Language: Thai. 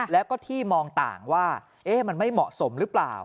แล้วก็ที่มองต่างว่ามันไม่เหมาะสมหรือเปล่า